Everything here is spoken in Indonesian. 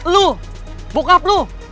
lu bokap lu